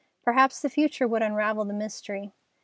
Perhaps the future would unravel the mystery.